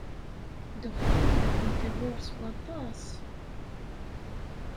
Ddexxan ad kent-iḍurr s waṭas.